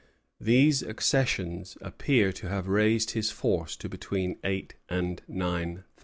These accessions appear to have raised his force to between eight and nine thousand.